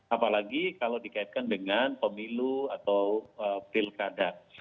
apalagi kalau dikaitkan dengan pemilu atau pilkada